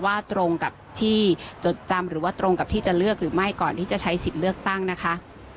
ตรงกับที่จดจำหรือว่าตรงกับที่จะเลือกหรือไม่ก่อนที่จะใช้สิทธิ์เลือกตั้งนะคะ